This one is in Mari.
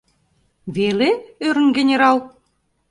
— Веле? — ӧрын генерал.